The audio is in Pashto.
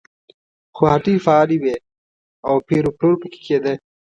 خو هټۍ فعالې وې او پېر و پلور پکې کېده.